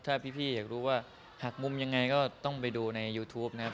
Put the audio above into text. ถ้าพี่อยากรู้ว่าหักมุมยังไงก็ต้องไปดูในยูทูปนะครับ